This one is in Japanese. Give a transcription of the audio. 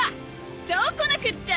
そうこなくっちゃ！